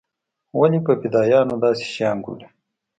ولې په فدايانو داسې شيان ګوري.